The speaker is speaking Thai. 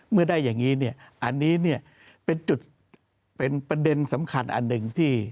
เมื่อได้อย่างงี้อันนี้เป็นประเด็นสำคัญที่เลือก